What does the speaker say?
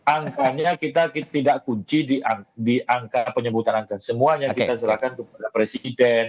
angkanya kita tidak kunci di angka penyebutan angka semuanya kita serahkan kepada presiden